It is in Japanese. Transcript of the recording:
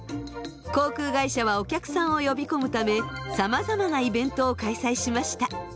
航空会社はお客さんを呼び込むためさまざまなイベントを開催しました。